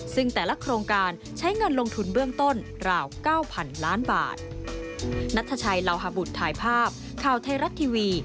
ซึ่งแต่ละโครงการใช้เงินลงทุนเบื้องต้นราว๙๐๐๐ล้านบาท